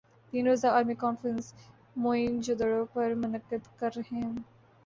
تین روزہ عالمی کانفرنس موئن جو دڑو پر منعقد کررہے ہیں